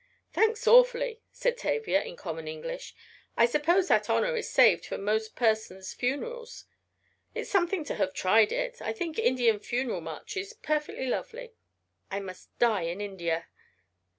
"Thanks, awfully," said Tavia, in common English, "I suppose that honor is saved for most persons' funerals. It's something to have tried it I think Indian funeral marches perfectly lovely. I must die in India."